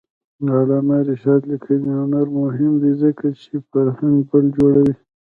د علامه رشاد لیکنی هنر مهم دی ځکه چې فرهنګي پل جوړوي.